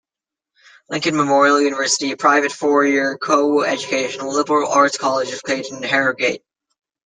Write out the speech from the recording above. Lincoln Memorial University, a private four-year co-educational liberal arts college, is located in Harrogate.